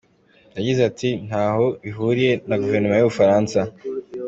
Yagize ati “Ntaho bihuriye na Guverinoma y’u Bufaransa.